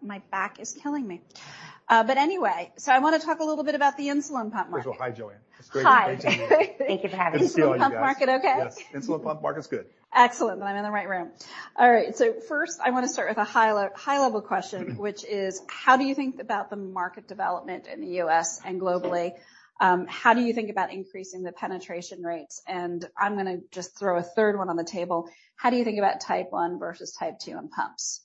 My back is killing me. Anyway, I wanna talk a little bit about the insulin pump market. Oh, Hi Joanne. It's great to see you. Hi. Thank you for having us. Good to see all you guys. Insulin pump market okay? Yes, insulin pump market's good. Excellent, then I'm in the right room. All right, so first I wanna start with a high-level question, which is: How do you think about the market development in the U.S. and globally? How do you think about increasing the penetration rates? I'm gonna just throw a third one on the table. How do you think about Type 1 versus Type 2 in pumps?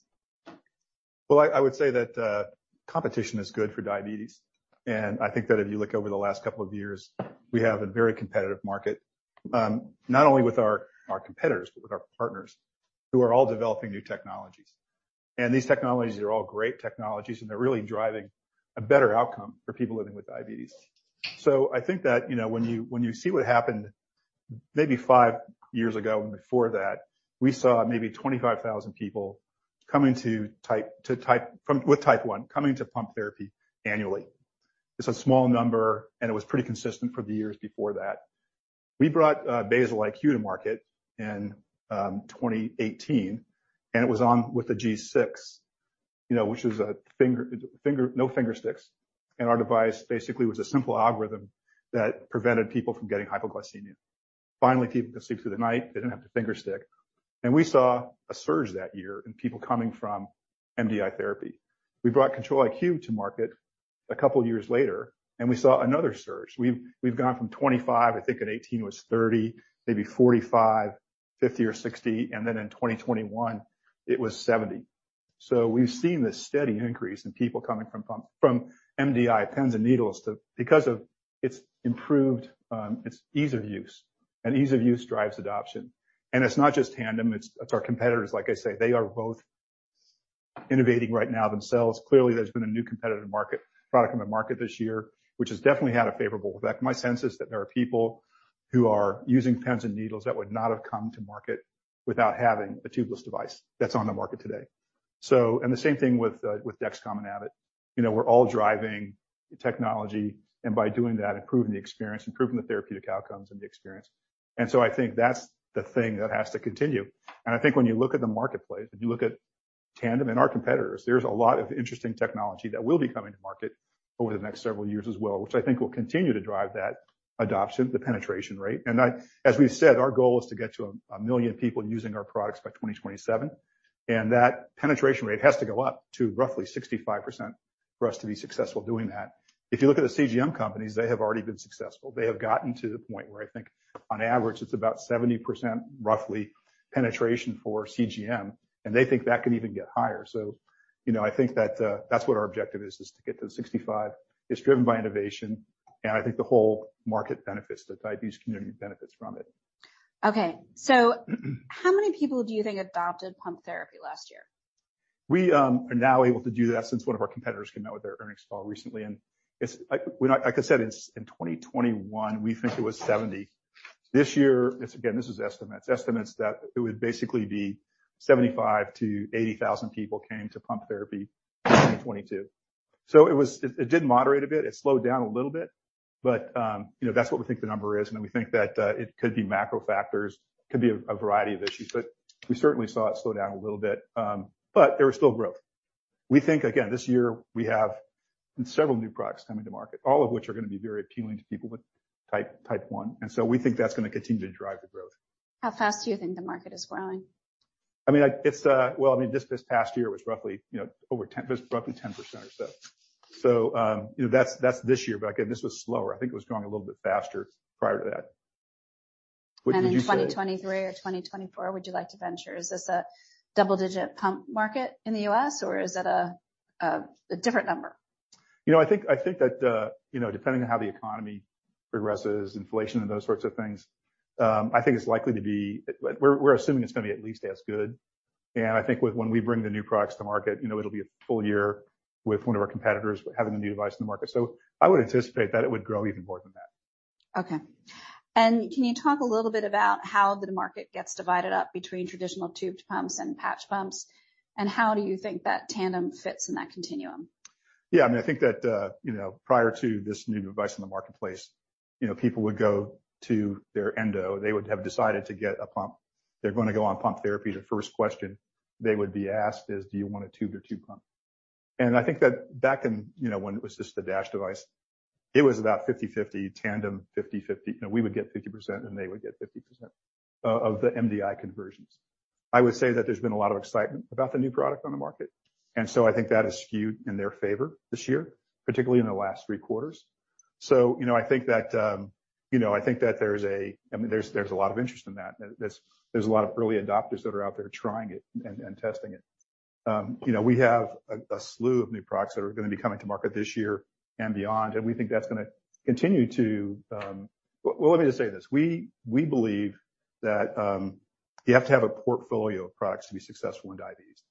Well, I would say that competition is good for diabetes, I think that if you look over the last couple of years, we have a very competitive market. Not only with our competitors, but with our partners, who are all developing new technologies. These technologies are all great technologies, and they're really driving a better outcome for people living with diabetes. I think that, you know, when you see what happened maybe five years ago and before that, we saw maybe 25,000 people coming to Type 1, coming to pump therapy annually. It's a small number, and it was pretty consistent for the years before that. We brought Basal-IQ to market in 2018, and it was on with the G6, you know, which was a finger no finger sticks. Our device basically was a simple algorithm that prevented people from getting hypoglycemia. Finally, people could sleep through the night. They didn't have to finger stick. We saw a surge that year in people coming from MDI therapy. We brought Control-IQ to market a couple years later, and we saw another surge. We've gone from 25, I think in 18 was 30, maybe 45, 50 or 60, and then in 2021 it was 70. We've seen this steady increase in people coming from MDI pens and needles because of its improved ease of use, and ease of use drives adoption. It's not just Tandem, it's our competitors. Like I say, they are both innovating right now themselves. Clearly there's been a new competitive market, product in the market this year, which has definitely had a favorable effect. My sense is that there are people who are using pens and needles that would not have come to market without having a tubeless device that's on the market today. The same thing with Dexcom and Abbott. You know, we're all driving technology, and by doing that, improving the experience, improving the therapeutic outcomes and the experience. I think that's the thing that has to continue. I think when you look at the marketplace, if you look at Tandem and our competitors, there's a lot of interesting technology that will be coming to market over the next several years as well, which I think will continue to drive that adoption, the penetration rate. As we've said, our goal is to get to a million people using our products by 2027, and that penetration rate has to go up to roughly 65% for us to be successful doing that. If you look at the CGM companies, they have already been successful. They have gotten to the point where I think on average it's about 70% roughly penetration for CGM, and they think that could even get higher. You know, I think that's what our objective is to get to the 65. It's driven by innovation. I think the whole market benefits, the diabetes community benefits from it. Okay. How many people do you think adopted pump therapy last year? We are now able to do that since one of our competitors came out with their earnings call recently, it's like, like I said, in 2021, we think it was 70,000. This year, it's again, this is estimates that it would basically be 75,000-80,000 people came to pump therapy in 2022. It did moderate a bit. It slowed down a little bit. You know, that's what we think the number is, we think that it could be macro factors, could be a variety of issues, but we certainly saw it slow down a little bit. There was still growth. We think again, this year, we have several new products coming to market, all of which are gonna be very appealing to people with Type 1, and so we think that's gonna continue to drive the growth. How fast do you think the market is growing? I mean, it's, well, I mean, just this past year was roughly, you know, over 10, roughly 10% or so. you know, that's this year, but again, this was slower. I think it was growing a little bit faster prior to that. What would you say? In 2023 or 2024, would you like to venture? Is this a double-digit pump market in the US, or is it a different number? You know, I think that, you know, depending on how the economy progresses, inflation and those sorts of things, I think it's likely to be, we're assuming it's gonna be at least as good. I think with when we bring the new products to market, you know, it'll be a full year with one of our competitors having a new device in the market. I would anticipate that it would grow even more than that. Okay. can you talk a little bit about how the market gets divided up between traditional tubed pumps and patch pumps, and how do you think that Tandem fits in that continuum? Yeah. I mean, I think that, you know, prior to this new device in the marketplace, you know, people would go to their endo, they would have decided to get a pump. They're gonna go on pump therapy. The first question they would be asked is, "Do you want a tube or tube pump?" I think that back in, you know, when it was just the DASH device, it was about 50/50, Tandem, 50/50. You know, we would get 50%, and they would get 50% of the MDI conversions. I would say that there's been a lot of excitement about the new product on the market, and so I think that is skewed in their favor this year, particularly in the last three quarters. I think that, you know, I think that there's a. I mean, there's a lot of interest in that. There's a lot of early adopters that are out there trying it and testing it. You know, we have a slew of new products that are gonna be coming to market this year and beyond, and we think that's gonna continue to. Well, let me just say this. We believe that you have to have a portfolio of products to be successful in diabetes.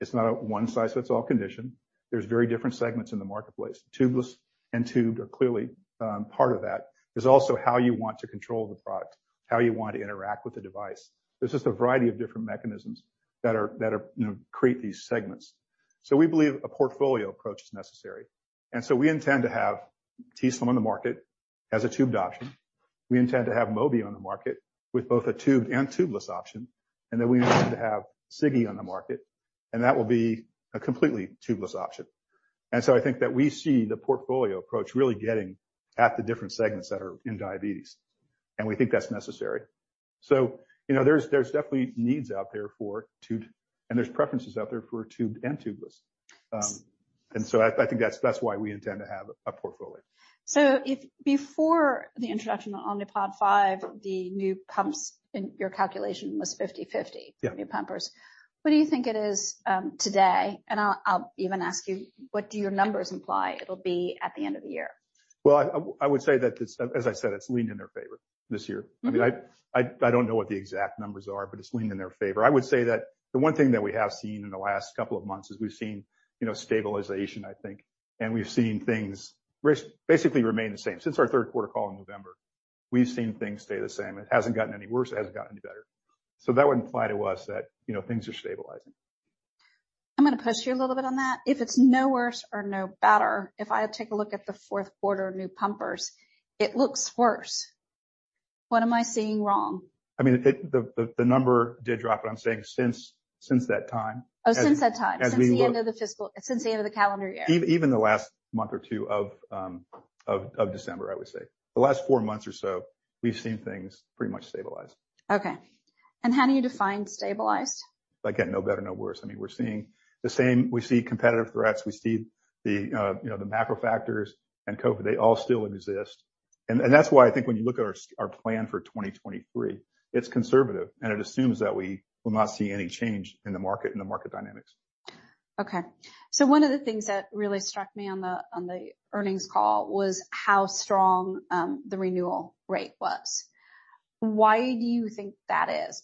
It's not a one-size-fits-all condition. There's very different segments in the marketplace. Tubeless and tubed are clearly part of that. There's also how you want to control the product, how you want to interact with the device. There's just a variety of different mechanisms that are, you know, create these segments. We believe a portfolio approach is necessary. We intend to have t:slim on the market as a tubed option. We intend to have Mobi on the market with both a tubed and tubeless option, and then we intend to have Sigi on the market, and that will be a completely tubeless option. I think that we see the portfolio approach really getting at the different segments that are in diabetes, and we think that's necessary. You know, there's definitely needs out there for tubed, and there's preferences out there for tubed and tubeless. I think that's why we intend to have a portfolio. if before the introduction of Omnipod 5, the new pumps in your calculation was 50/50. Yeah. Nw pumpers. What do you think it is, today? I'll even ask you, what do your numbers imply it'll be at the end of the year? Well, I would say that it's as I said, it's leaned in their favor this year. Mm-hmm. I mean, I don't know what the exact numbers are, but it's leaned in their favor. I would say that the one thing that we have seen in the last couple of months is we've seen, you know, stabilization, I think, and we've seen things basically remain the same. Since our third quarter call in November, we've seen things stay the same. It hasn't gotten any worse. It hasn't gotten any better. That would imply to us that, you know, things are stabilizing. I'm gonna push you a little bit on that. If it's no worse or no better, if I take a look at the fourth quarter of new pumpers, it looks worse. What am I seeing wrong? I mean, it, the number did drop, but I'm saying since that time. Oh, since that time. As we look. Since the end of the calendar year. Even the last month or two of December, I would say. The last four months or so, we've seen things pretty much stabilize. Okay. How do you define stabilized? Again, no better, no worse. I mean, we see competitive threats. We see the, you know, the macro factors and COVID. They all still exist. That's why I think when you look at our plan for 2023, it's conservative, and it assumes that we will not see any change in the market and the market dynamics. One of the things that really struck me on the, on the earnings call was how strong the renewal rate was. Why do you think that is?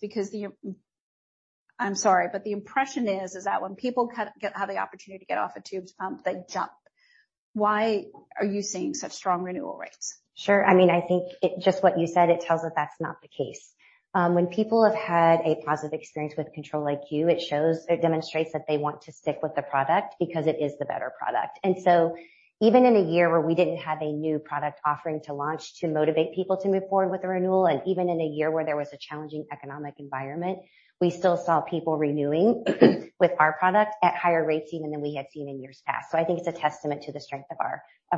I'm sorry, but the impression is that when people have the opportunity to get off a tubed pump, they jump. Why are you seeing such strong renewal rates? Sure. I mean, just what you said, it tells us that's not the case. When people have had a positive experience with Control-IQ, it shows or demonstrates that they want to stick with the product because it is the better product. Even in a year where we didn't have a new product offering to launch to motivate people to move forward with a renewal, even in a year where there was a challenging economic environment, we still saw people renewing with our product at higher rates even than we had seen in years past. I think it's a testament to the strength of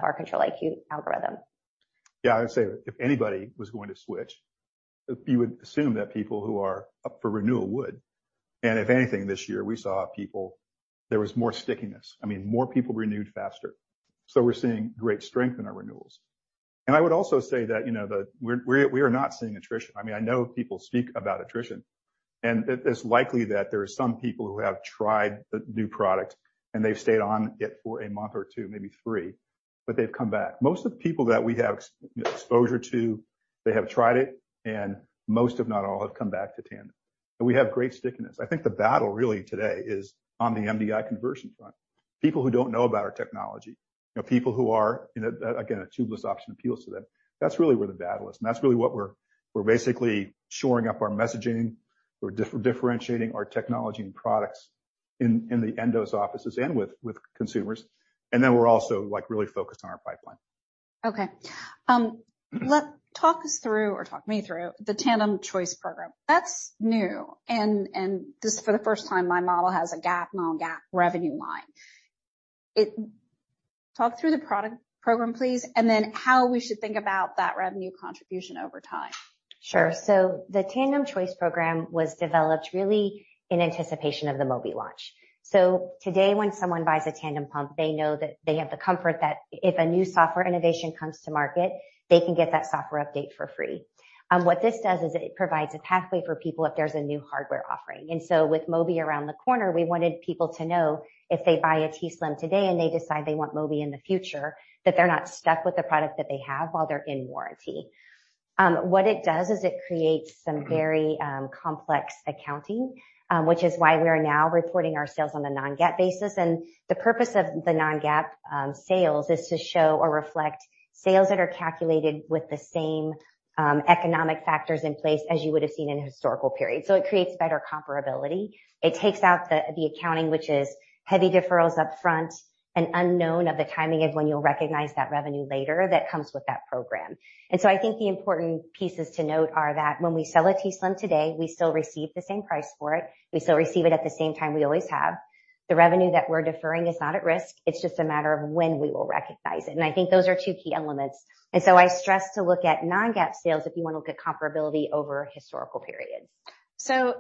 our Control-IQ algorithm. Yeah. I would say if anybody was going to switch, you would assume that people who are up for renewal would. If anything, this year we saw people there was more stickiness. I mean, more people renewed faster. We're seeing great strength in our renewals. I would also say that, you know, we are not seeing attrition. I mean, I know people speak about attrition, and it is likely that there are some people who have tried the new product, and they've stayed on it for a month or two, maybe three, but they've come back. Most of the people that we have you know, exposure to, they have tried it, and most if not all, have come back to Tandem. We have great stickiness. I think the battle really today is on the MDI conversion front. People who don't know about our technology. You know, people who are, you know, again, a tubeless option appeals to them. That's really where the battle is. That's really what we're basically shoring up our messaging. We're differentiating our technology and products in the endos offices and with consumers. We're also, like, really focused on our pipeline. Okay. Talk us through or talk me through the Tandem Choice Program. That's new and this is for the first time my model has a GAAP/non-GAAP revenue line. Talk through the product program, please, and then how we should think about that revenue contribution over time. Sure. The Tandem Choice Program was developed really in anticipation of the Mobi launch. Today, when someone buys a Tandem pump, they know that they have the comfort that if a new software innovation comes to market, they can get that software update for free. What this does is it provides a pathway for people if there's a new hardware offering. With Mobi around the corner, we wanted people to know if they buy a t:slim today and they decide they want Mobi in the future, that they're not stuck with the product that they have while they're in warranty. What it does is it creates some very complex accounting, which is why we are now reporting our sales on a non-GAAP basis. The purpose of the non-GAAP sales is to show or reflect sales that are calculated with the same economic factors in place as you would have seen in a historical period. It creates better comparability. It takes out the accounting, which is heavy deferrals upfront and unknown of the timing of when you'll recognize that revenue later that comes with that program. I think the important pieces to note are that when we sell a t:slim today, we still receive the same price for it. We still receive it at the same time we always have. The revenue that we're deferring is not at risk. It's just a matter of when we will recognize it. I think those are two key elements. I stress to look at non-GAAP sales if you want to look at comparability over historical periods.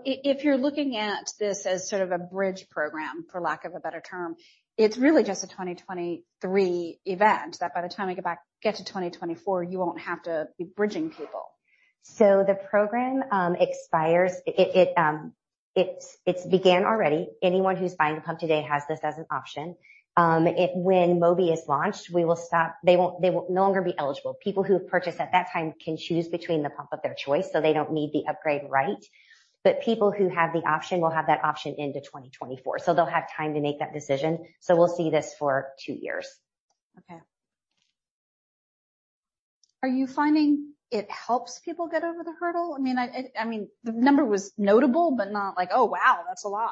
If you're looking at this as sort of a bridge program, for lack of a better term, it's really just a 2023 event, that by the time I get to 2024, you won't have to be bridging people. The program expires. It's began already. Anyone who's buying a pump today has this as an option. When Mobi is launched, we will stop. They will no longer be eligible. People who have purchased at that time can choose between the pump of their choice, so they don't need the upgrade right? People who have the option will have that option into 2024. They'll have time to make that decision. We'll see this for two years. Okay. Are you finding it helps people get over the hurdle? I mean, I mean, the number was notable, but not like, "Oh wow, that's a lot."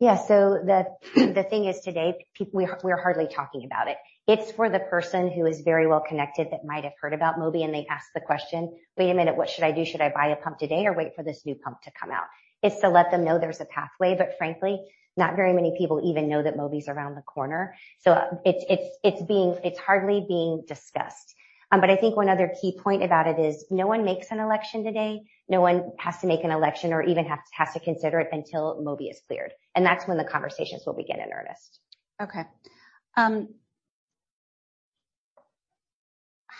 Yeah. The thing is today, we're hardly talking about it. It's for the person who is very well connected that might have heard about Mobi, and they ask the question, "Wait a minute, what should I do? Should I buy a pump today or wait for this new pump to come out?" It's to let them know there's a pathway, but frankly, not very many people even know that Mobi's around the corner. It's hardly being discussed. I think one other key point about it is no one makes an election today. No one has to make an election or even has to consider it until Mobi is cleared, and that's when the conversations will begin in earnest. Okay.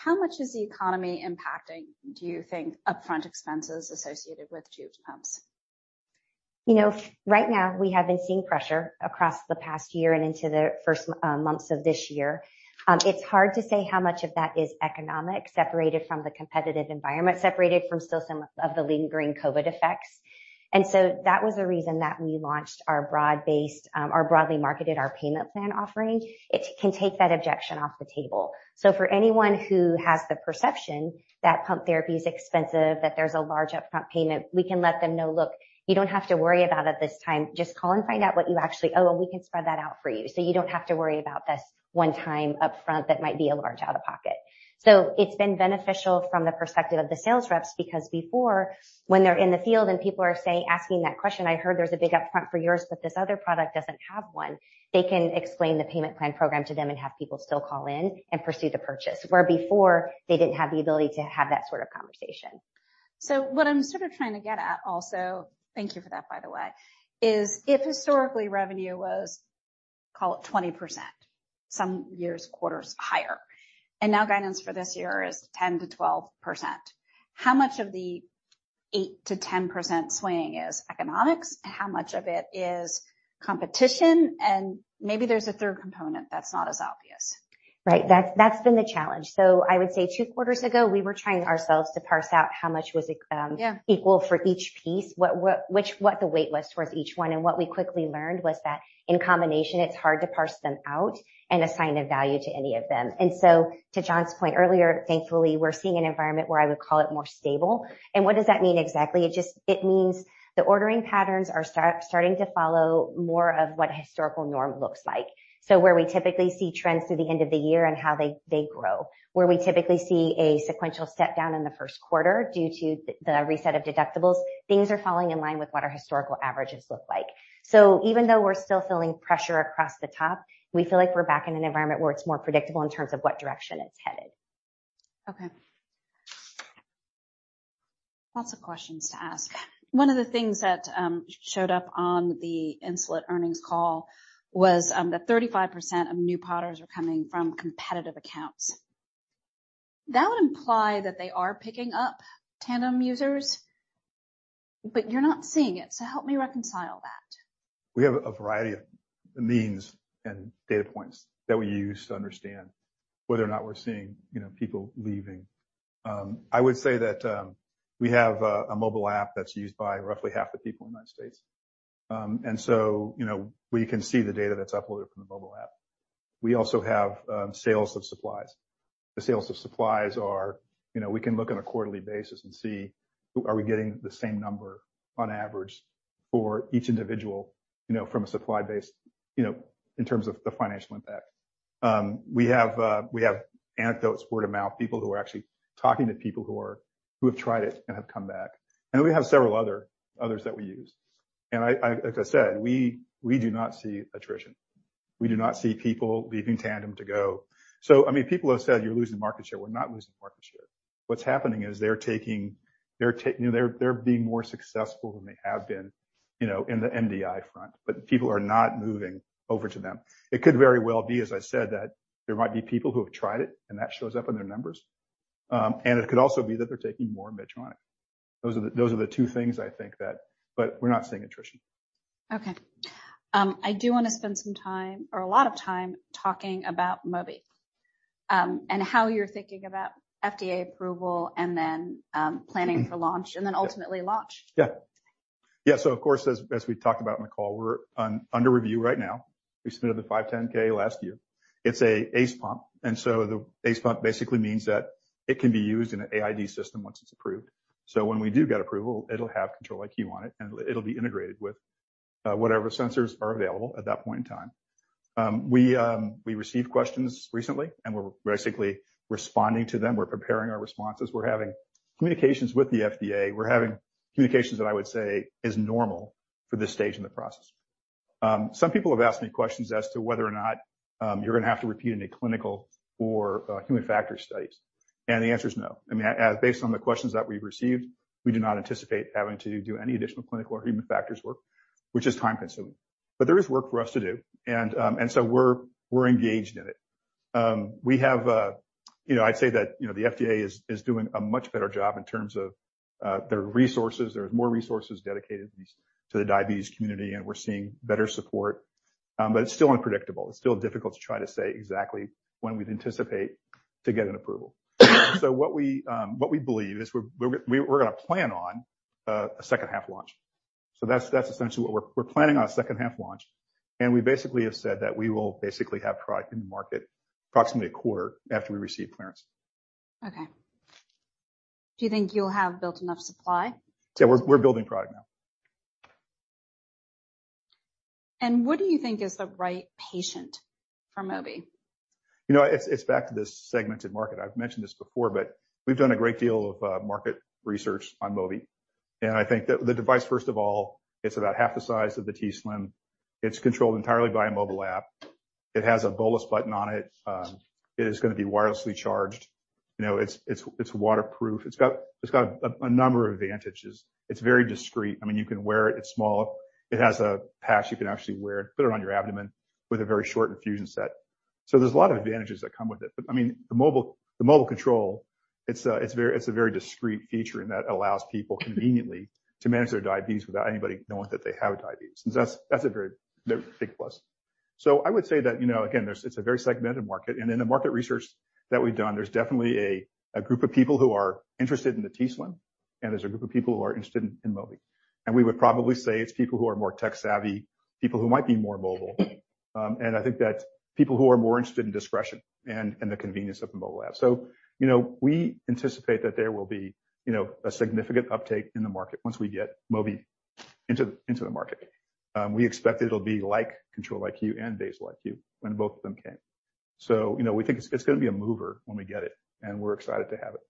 How much is the economy impacting, do you think, upfront expenses associated with tube pumps? You know, right now we have been seeing pressure across the past year and into the first months of this year. It's hard to say how much of that is economic, separated from the competitive environment, separated from still some of the lingering COVID effects. That was the reason that we launched our broad-based, or broadly marketed our payment plan offering. It can take that objection off the table. For anyone who has the perception that pump therapy is expensive, that there's a large upfront payment, we can let them know, "Look, you don't have to worry about it this time. Just call and find out what you actually, and we can spread that out for you. You don't have to worry about this one time upfront that might be a large out-of-pocket." It's been beneficial from the perspective of the sales reps, because before, when they're in the field and people are asking that question, "I heard there's a big upfront for yours, but this other product doesn't have one." They can explain the payment plan program to them and have people still call in and pursue the purchase. Where before, they didn't have the ability to have that sort of conversation. What I'm sort of trying to get at also, thank you for that by the way, is if historically revenue was, call it 20%, some years, quarters higher, and now guidance for this year is 10%-12%. How much of the 8%-10% swing is economics? How much of it is competition? Maybe there's a third component that's not as obvious. Right. That's, that's been the challenge. I would say two quarters ago, we were trying ourselves to parse out how much was. Yeah. Equal for each piece, what the weight was towards each one. What we quickly learned was that in combination, it's hard to parse them out and assign a value to any of them. To John's point earlier, thankfully, we're seeing an environment where I would call it more stable. What does that mean exactly? It means the ordering patterns are starting to follow more of what a historical norm looks like. Where we typically see trends through the end of the year and how they grow. Where we typically see a sequential step down in the first quarter due to the reset of deductibles, things are falling in line with what our historical averages look like. Even though we're still feeling pressure across the top, we feel like we're back in an environment where it's more predictable in terms of what direction it's headed. Lots of questions to ask. One of the things that showed up on the Insulet earnings call was that 35% of new Podders were coming from competitive accounts. That would imply that they are picking up Tandem users, but you're not seeing it, so help me reconcile that. We have a variety of means and data points that we use to understand whether or not we're seeing, you know, people leaving. I would say that we have a mobile app that's used by roughly half the people in the United States. You know, we can see the data that's uploaded from the mobile app. We also have sales of supplies. The sales of supplies are, you know, we can look on a quarterly basis and see are we getting the same number on average for each individual, you know, from a supply base, you know, in terms of the financial impact. We have anecdotes, word of mouth, people who are actually talking to people who have tried it and have come back. We have several others that we use. Like I said, we do not see attrition. We do not see people leaving Tandem to go. I mean, people have said, "You're losing market share." We're not losing market share. What's happening is they're taking, you know, they're being more successful than they have been, you know, in the MDI front. People are not moving over to them. It could very well be, as I said, that there might be people who have tried it, and that shows up in their numbers. And it could also be that they're taking more Medtronic. Those are the two things I think that. We're not seeing attrition. Okay. I do wanna spend some time, or a lot of time, talking about Mobi, and how you're thinking about FDA approval and then, planning for launch and then ultimately launch. Yeah. Yeah. Of course, as we've talked about in the call, we're under review right now. We submitted the 510(k) last year. It's a ACE pump, and so the ACE pump basically means that it can be used in an AID system once it's approved. When we do get approval, it'll have Control-IQ on it, and it'll be integrated with whatever sensors are available at that point in time. We received questions recently, and we're basically responding to them. We're preparing our responses. We're having communications with the FDA. We're having communications that I would say is normal for this stage in the process. Some people have asked me questions as to whether or not you're gonna have to repeat any clinical or human factors studies, and the answer is no. I mean, based on the questions that we've received, we do not anticipate having to do any additional clinical or human factors work, which is time-consuming. There is work for us to do. We're engaged in it. We have, you know, I'd say that, you know, the FDA is doing a much better job in terms of their resources. There's more resources dedicated to the diabetes community, and we're seeing better support. It's still unpredictable. It's still difficult to try to say exactly when we'd anticipate to get an approval. What we believe is we're gonna plan on a H2 launch. That's essentially what we're planning on a H2 launch, and we basically have said that we will basically have product in the market approximately a quarter after we receive clearance. Okay. Do you think you'll have built enough supply? Yeah, we're building product now. What do you think is the right patient for Mobi? You know, it's back to this segmented market. I've mentioned this before, but we've done a great deal of market research on Mobi. I think that the device, first of all, it's about half the size of the t:slim. It's controlled entirely by a mobile app. It has a bolus button on it. It is gonna be wirelessly charged. You know, it's waterproof. It's got a number of advantages. It's very discreet. I mean, you can wear it's small. It has a patch you can actually wear. Put it on your abdomen with a very short infusion set. There's a lot of advantages that come with it. I mean, the mobile control, it's a very discreet feature, and that allows people conveniently to manage their diabetes without anybody knowing that they have diabetes. That's a very big plus. I would say that, you know, again, it's a very segmented market. In the market research that we've done, there's definitely a group of people who are interested in the t:slim, and there's a group of people who are interested in Mobi. We would probably say it's people who are more tech-savvy, people who might be more mobile. I think that people who are more interested in discretion and the convenience of the mobile app. You know, we anticipate that there will be, you know, a significant uptake in the market once we get Mobi into the market. We expect it'll be like Control-IQ and Basal-IQ when both of them came. you know, we think it's gonna be a mover when we get it, and we're excited to have it.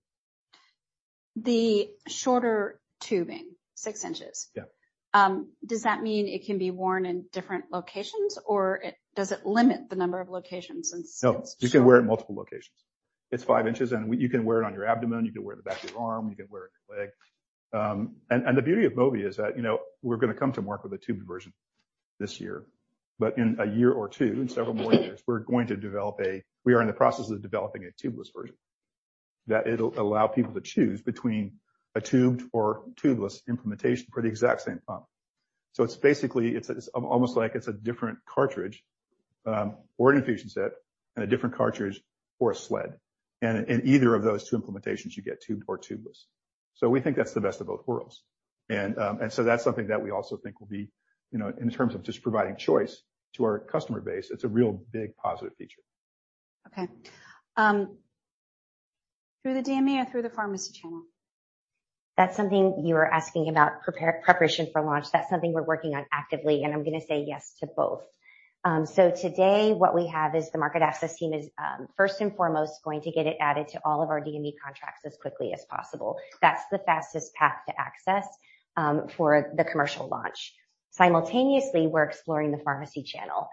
The shorter tubing, six inches. Yeah. Does that mean it can be worn in different locations or does it limit the number of locations since it's short? No, you can wear it in multiple locations. It's five inches, and you can wear it on your abdomen, you can wear it on the back of your arm, you can wear it on your leg. And the beauty of Mobi is that, you know, we're gonna come to market with a tubed version this year. In a year or two, in several more years, we are in the process of developing a tubeless version that it'll allow people to choose between a tubed or tubeless implementation for the exact same pump. It's basically, it's almost like it's a different cartridge, or an infusion set and a different cartridge or a sled. In either of those two implementations, you get tubed or tubeless. We think that's the best of both worlds. That's something that we also think will be, you know, in terms of just providing choice to our customer base, it's a real big positive feature. Okay. through the DME or through the pharmacy channel? That's something you were asking about, preparation for launch. That's something we're working on actively, and I'm gonna say yes to both. Today what we have is the market access team is first and foremost going to get it added to all of our DME contracts as quickly as possible. That's the fastest path to access for the commercial launch. Simultaneously, we're exploring the pharmacy channel.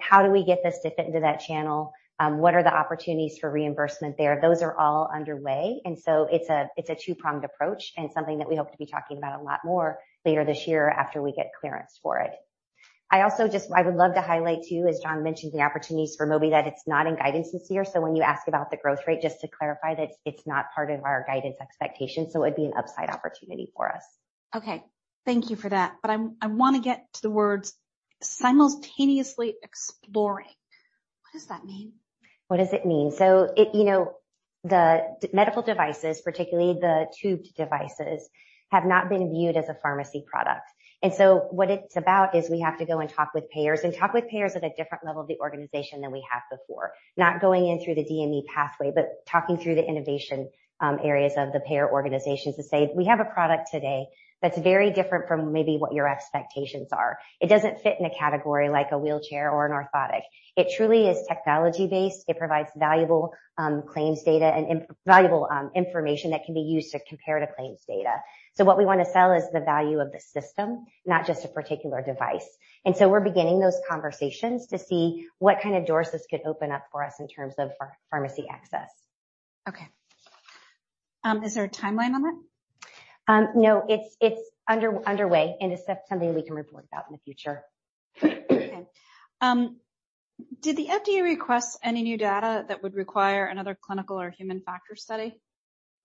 How do we get this to fit into that channel? What are the opportunities for reimbursement there? Those are all underway, it's a two-pronged approach and something that we hope to be talking about a lot more later this year after we get clearance for it. I also I would love to highlight too, as John mentioned, the opportunities for Mobi that it's not in guidance this year. When you ask about the growth rate, just to clarify that it's not part of our guidance expectations, so it'd be an upside opportunity for us. Okay. Thank you for that. I want to get to the words simultaneously exploring. What does that mean? What does it mean? you know, the medical devices, particularly the tubed devices, have not been viewed as a pharmacy product. What it's about is we have to go and talk with payers and talk with payers at a different level of the organization than we have before. Not going in through the DME pathway, but talking through the innovation areas of the payer organizations to say, "We have a product today that's very different from maybe what your expectations are. It doesn't fit in a category like a wheelchair or an orthotic. It truly is technology-based. It provides valuable claims data and valuable information that can be used to compare to claims data." What we wanna sell is the value of the system, not just a particular device. We're beginning those conversations to see what kind of doors this could open up for us in terms of pharmacy access. Okay. Is there a timeline on that? No, it's underway, and it's something we can report about in the future. Okay. Did the FDA request any new data that would require another clinical or human factor study?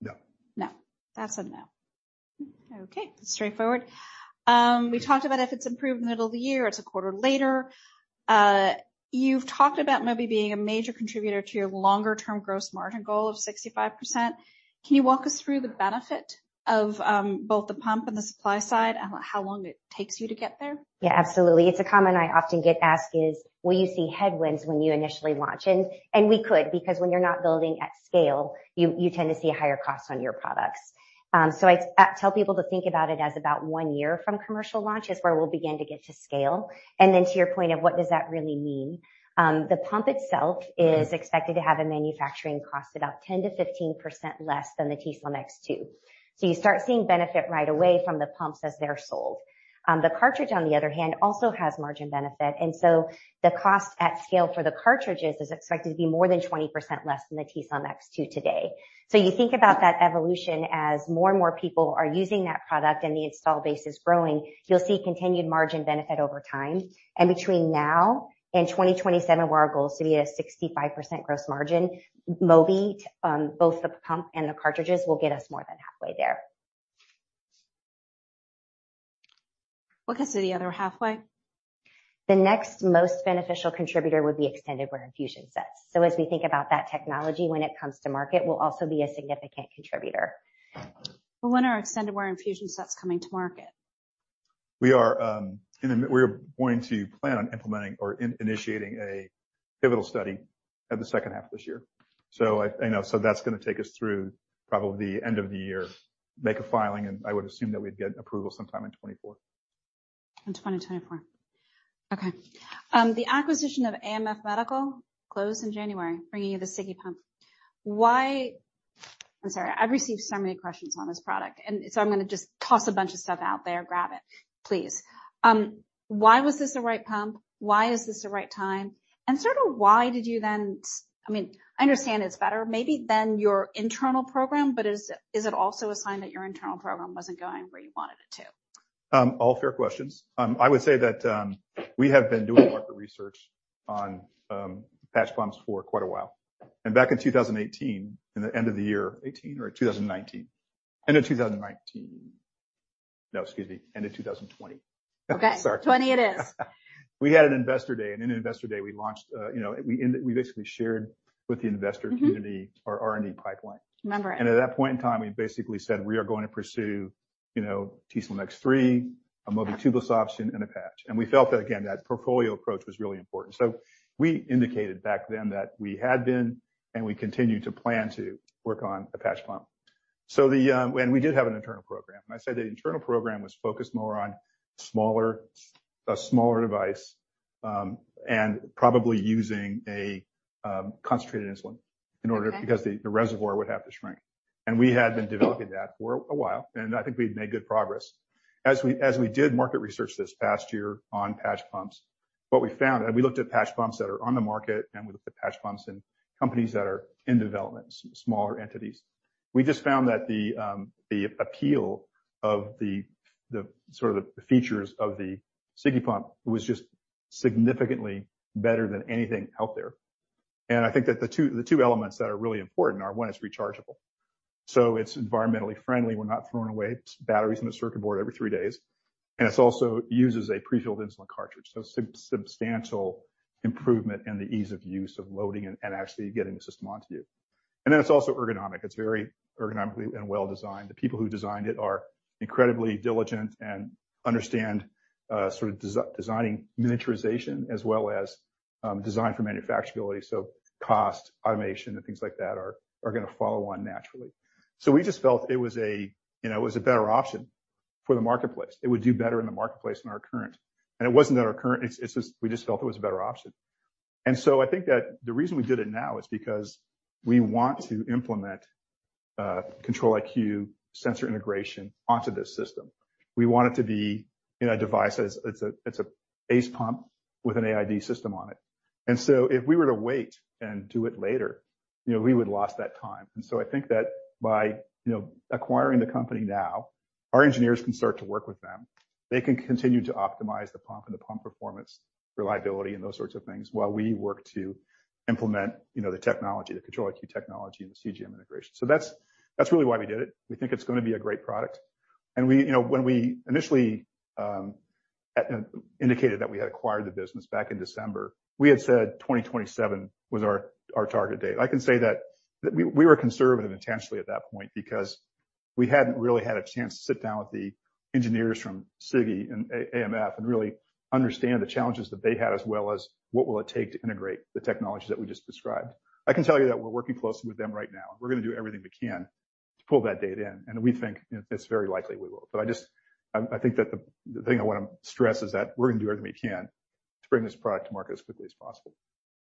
No. No. That's a no. Okay. Straightforward. We talked about if it's approved in the middle of the year, it's a quarter later. You've talked about Mobi being a major contributor to your longer-term gross margin goal of 65%. Can you walk us through the benefit of both the pump and the supply side and how long it takes you to get there? Yeah, absolutely. It's a comment I often get asked is, will you see headwinds when you initially launch? We could because when you're not building at scale, you tend to see higher costs on your products. I tell people to think about it as about one year from commercial launch is where we'll begin to get to scale. To your point of what does that really mean? The pump itself is expected to have a manufacturing cost about 10%-15% less than the t:slim X2. You start seeing benefit right away from the pumps as they're sold. The cartridge, on the other hand, also has margin benefit, the cost at scale for the cartridges is expected to be more than 20% less than the t:slim X2 today. You think about that evolution as more and more people are using that product and the install base is growing, you'll see continued margin benefit over time. Between now and 2027, where our goal is to be at a 65% gross margin, Mobi, both the pump and the cartridges, will get us more than halfway there. What gets you the other halfway? The next most beneficial contributor would be extended wear infusion sets. As we think about that technology when it comes to market, will also be a significant contributor. When are extended wear infusion sets coming to market? We're going to plan on implementing or initiating a pivotal study at the H2 of this year. I, you know, that's gonna take us through probably end of the year, make a filing, and I would assume that we'd get approval sometime in 2024. In 2024. Okay. The acquisition of AMF Medical closed in January, bringing you the Sigi pump. I'm sorry. I've received so many questions on this product, and so I'm gonna just toss a bunch of stuff out there. Grab it, please. Why was this the right pump? Why is this the right time? Why did you then I mean, I understand it's better maybe than your internal program, but is it also a sign that your internal program wasn't going where you wanted it to? All fair questions. I would say that we have been doing market research on patch pumps for quite a while. Back in 2018, in the end of the year, 2018 or 2019. End of 2019. No, excuse me, end of 2020. Okay. Sorry. 20 it is. We had an investor day, in investor day we launched, you know, we basically shared with the investor. Mm-hmm. Community our R&D pipeline. Remember it. At that point in time, we basically said we are going to pursue, you know, t:slim X3, a Mobi tubeless option, and a patch. We felt that, again, that portfolio approach was really important. We indicated back then that we had been, and we continue to plan to work on a patch pump. We did have an internal program, and I say the internal program was focused more on smaller, a smaller device, and probably using a concentrated insulin. Okay. Because the reservoir would have to shrink. We had been developing that for a while, and I think we'd made good progress. As we did market research this past year on patch pumps, what we found. We looked at patch pumps that are on the market, and we looked at patch pumps in companies that are in development, smaller entities. We just found that the appeal of the sort of the features of the Sigi pump was just significantly better than anything out there. I think that the two elements that are really important are, one, it's rechargeable. It's environmentally friendly. We're not throwing away batteries in the circuit board every three days. It's also uses a prefilled insulin cartridge, so substantial improvement in the ease of use of loading and actually getting the system onto you. It's also ergonomic. It's very ergonomically and well designed. The people who designed it are incredibly diligent and understand, sort of designing miniaturization as well as design for manufacturability. Cost, automation, and things like that are gonna follow on naturally. We just felt it was a, you know, it was a better option for the marketplace. It would do better in the marketplace than our current. It wasn't that our current. It's just, we just felt it was a better option. I think that the reason we did it now is because we want to implement Control-IQ sensor integration onto this system. We want it to be, you know, a device that it's a base pump with an AID system on it. If we were to wait and do it later, you know, we would lost that time. I think that by, you know, acquiring the company now, our engineers can start to work with them. They can continue to optimize the pump and the pump performance, reliability, and those sorts of things while we work to implement, you know, the technology, the Control-IQ technology and the CGM integration. That's really why we did it. We think it's gonna be a great product. We, you know, when we initially indicated that we had acquired the business back in December, we had said 2027 was our target date. I can say that we were conservative intentionally at that point because we hadn't really had a chance to sit down with the engineers from Sigi and AMF and really understand the challenges that they had, as well as what will it take to integrate the technologies that we just described. I can tell you that we're working closely with them right now. We're gonna do everything we can to pull that date in, and we think it's very likely we will. I think that the thing I wanna stress is that we're gonna do everything we can to bring this product to market as quickly as possible.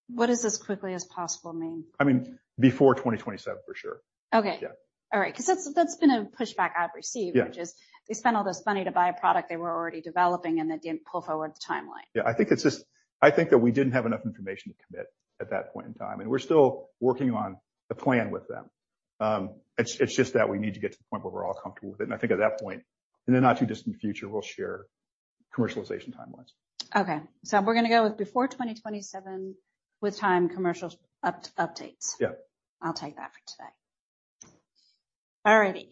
What does as quickly as possible mean? I mean, before 2027 for sure. Okay. Yeah. All right, 'cause that's been a pushback I've received. Yeah. Which is they spent all this money to buy a product they were already developing, and they didn't pull forward the timeline. Yeah. I think that we didn't have enough information to commit at that point in time, and we're still working on the plan with them. It's just that we need to get to the point where we're all comfortable with it. I think at that point, in the not too distant future, we'll share commercialization timelines. Okay. We're gonna go with before 2027 with time commercial up-updates. Yeah. I'll take that for today. All righty.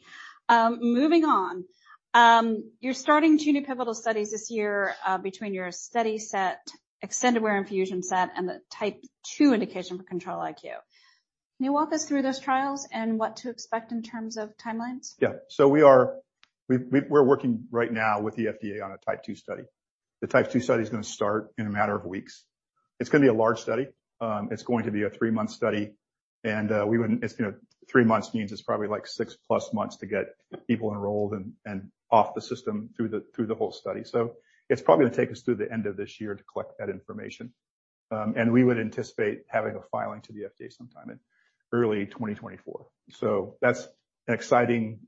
Moving on. You're starting two new pivotal studies this year, between your study set, extended wear infusion set, and the Type 2 indication for Control-IQ. Can you walk us through those trials and what to expect in terms of timelines? Yeah. We're working right now with the FDA on a Type 2 study. The Type 2 study is gonna start in a matter of weeks. It's gonna be a large study. It's going to be a three-month study. Three months means it's probably like six plus months to get people enrolled and off the system through the whole study. It's probably gonna take us through the end of this year to collect that information. We would anticipate having a filing to the FDA sometime in early 2024. That's an exciting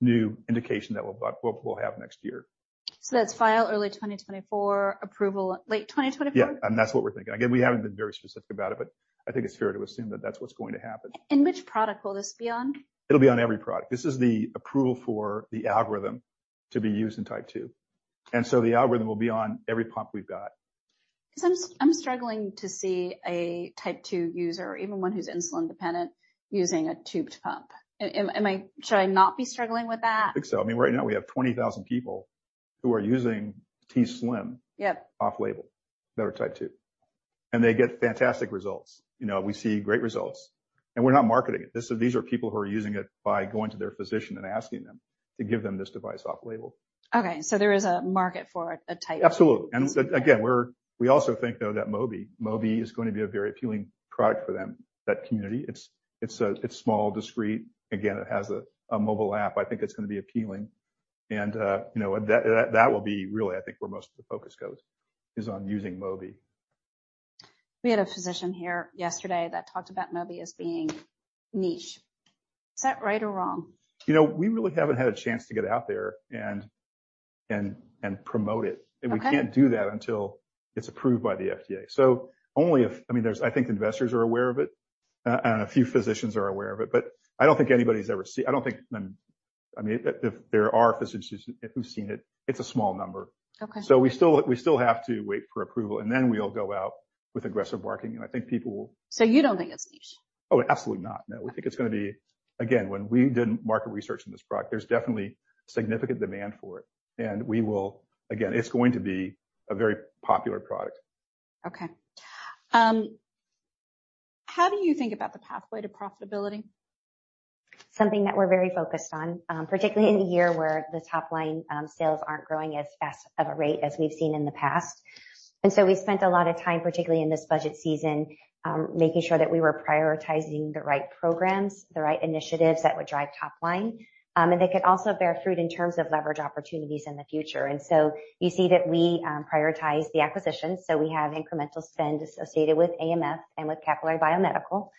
new indication that we'll have next year. That's file early 2024, approval late 2024? Yeah, that's what we're thinking. Again, we haven't been very specific about it, but I think it's fair to assume that that's what's going to happen. Which product will this be on? It'll be on every product. This is the approval for the algorithm to be used in Type 2. The algorithm will be on every pump we've got. I'm struggling to see a Type 2 user, or even one who's insulin dependent, using a tubed pump. Should I not be struggling with that? I think so. I mean, right now we have 20,000 people who are using t:slim. Yep. Off-label that are Type 2, They get fantastic results. You know, we see great results We're not marketing it. These are people who are using it by going to their physician and asking them to give them this device off label. Okay, there is a market for a type. Absolutely. Again, we also think though that Mobi is going to be a very appealing product for them, that community. It's a small, discreet. Again, it has a mobile app. I think it's gonna be appealing. you know, that will be really, I think, where most of the focus goes, is on using Mobi. We had a physician here yesterday that talked about Mobi as being niche. Is that right or wrong? You know, we really haven't had a chance to get out there and promote it. Okay. We can't do that until it's approved by the FDA. Only if. I mean, I think investors are aware of it, and a few physicians are aware of it, but I don't think anybody's ever see, I don't think many. I mean, if there are physicians who've seen it's a small number. Okay. We still have to wait for approval, and then we'll go out with aggressive marketing, and I think people will. You don't think it's niche? Oh, absolutely not, no. We think it's gonna be. Again, when we did market research on this product, there's definitely significant demand for it. Again, it's going to be a very popular product. Okay. How do you think about the pathway to profitability? Something that we're very focused on, particularly in a year where the top line sales aren't growing as fast of a rate as we've seen in the past. We spent a lot of time, particularly in this budget season, making sure that we were prioritizing the right programs, the right initiatives that would drive top line. They could also bear fruit in terms of leverage opportunities in the future. You see that we prioritize the acquisitions, so we have incremental spend associated with AMF and with Capillary Biomedical.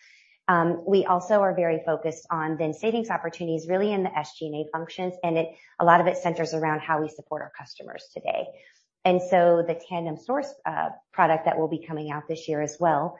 We also are very focused on then savings opportunities really in the SG&A functions. A lot of it centers around how we support our customers today. The Tandem Source product that will be coming out this year as well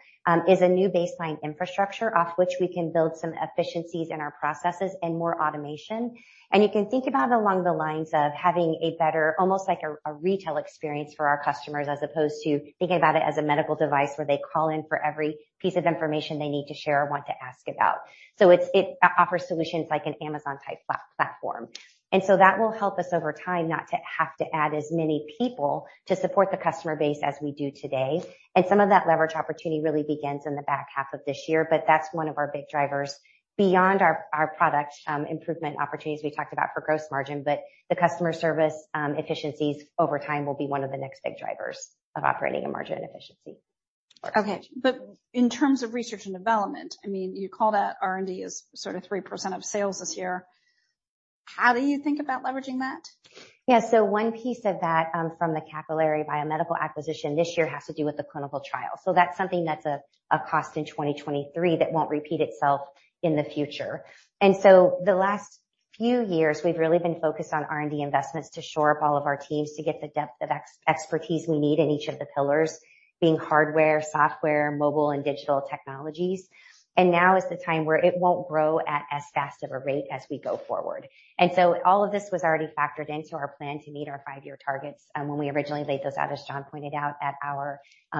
is a new baseline infrastructure off which we can build some efficiencies in our processes and more automation. You can think about it along the lines of having a better, almost like a retail experience for our customers as opposed to thinking about it as a medical device where they call in for every piece of information they need to share or want to ask about. It offers solutions like an Amazon type platform. That will help us over time, not to have to add as many people to support the customer base as we do today. Some of that leverage opportunity really begins in the back half of this year. That's one of our big drivers beyond our product, improvement opportunities we talked about for gross margin. The customer service, efficiencies over time will be one of the next big drivers of operating and margin efficiency. Okay. In terms of research and development, I mean, you call that R&D as sort of 3% of sales this year. How do you think about leveraging that? One piece of that from the Capillary Biomedical acquisition this year has to do with the clinical trial. That's something that's a cost in 2023 that won't repeat itself in the future. The last few years we've really been focused on R&D investments to shore up all of our teams to get the depth of expertise we need in each of the pillars, being hardware, software, mobile, and digital technologies. Now is the time where it won't grow at as fast of a rate as we go forward. All of this was already factored into our plan to meet our five-year targets when we originally laid those out, as John pointed out at our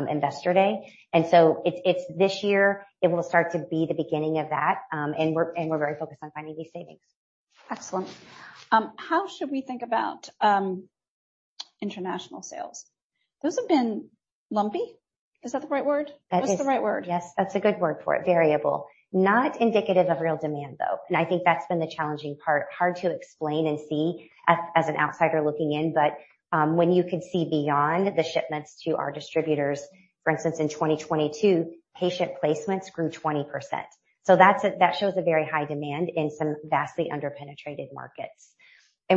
investor day. It's this year it will start to be the beginning of that. We're very focused on finding these savings. Excellent. How should we think about international sales? Those have been lumpy. Is that the right word? That is. What's the right word? Yes, that's a good word for it. Variable. Not indicative of real demand, though. I think that's been the challenging part. Hard to explain and see as an outsider looking in. When you can see beyond the shipments to our distributors, for instance, in 2022, patient placements grew 20%. That shows a very high demand in some vastly under-penetrated markets.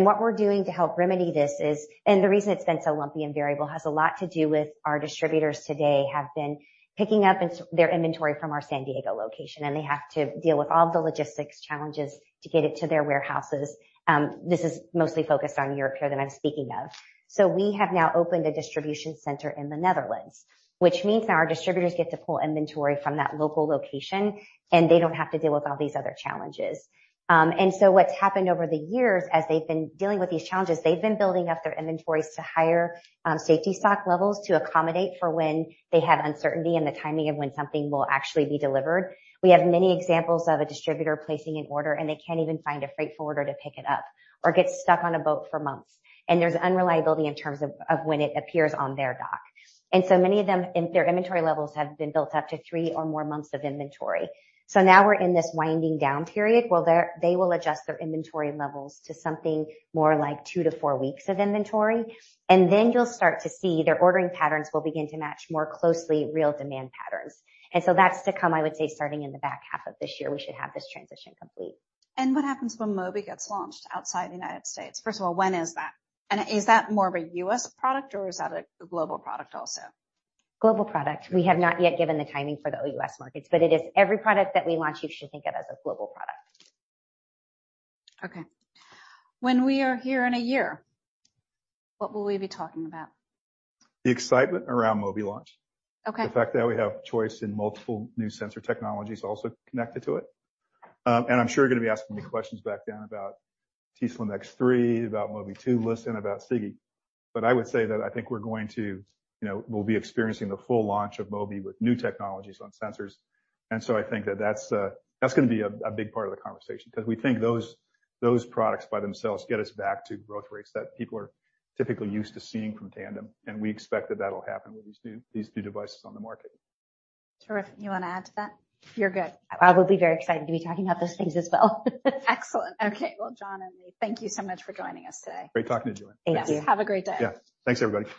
What we're doing to help remedy this is. The reason it's been so lumpy and variable has a lot to do with our distributors today have been picking up their inventory from our San Diego location, and they have to deal with all the logistics challenges to get it to their warehouses. This is mostly focused on Europe here that I'm speaking of. We have now opened a distribution center in the Netherlands, which means now our distributors get to pull inventory from that local location, and they don't have to deal with all these other challenges. What's happened over the years as they've been dealing with these challenges, they've been building up their inventories to higher safety stock levels to accommodate for when they have uncertainty in the timing of when something will actually be delivered. We have many examples of a distributor placing an order, and they can't even find a freight forwarder to pick it up or gets stuck on a boat for months. There's unreliability in terms of when it appears on their dock. Many of them, their inventory levels have been built up to three or more months of inventory. Now we're in this winding down period where they will adjust their inventory levels to something more like two to four weeks of inventory, and then you'll start to see their ordering patterns will begin to match more closely real demand patterns. That's to come, I would say, starting in the back half of this year, we should have this transition complete. What happens when Mobi gets launched outside the United States? First of all, when is that? Is that more of a U.S. product or is that a global product also? Global product. We have not yet given the timing for the OUS markets, but it is every product that we launch you should think of as a global product. Okay. When we are here in a year, what will we be talking about? The excitement around Mobi launch. Okay. The fact that we have choice in multiple new sensor technologies also connected to it. I'm sure you're gonna be asking me questions back down about t:slim X3, about Mobi 2, Listen, about Sigi. I would say that I think we're going to, you know, we'll be experiencing the full launch of Mobi with new technologies on sensors. I think that that's gonna be a big part of the conversation because we think those products by themselves get us back to growth rates that people are typically used to seeing from Tandem, and we expect that that'll happen with these new devices on the market. Terrific. You wanna add to that? You're good. I will be very excited to be talking about those things as well. Excellent. Okay. Well, John and Leigh, thank you so much for joining us today. Great talking to you. Thank you. Have a great day. Yeah. Thanks, everybody.